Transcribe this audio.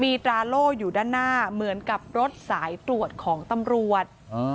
มีตราโล่อยู่ด้านหน้าเหมือนกับรถสายตรวจของตำรวจ